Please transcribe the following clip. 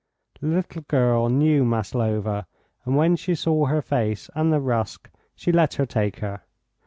The little girl knew Maslova, and when she saw her face and the rusk she let her take her.